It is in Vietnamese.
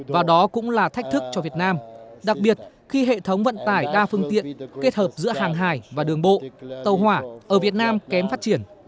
và đó cũng là thách thức cho việt nam đặc biệt khi hệ thống vận tải đa phương tiện kết hợp giữa hàng hải và đường bộ tàu hỏa ở việt nam kém phát triển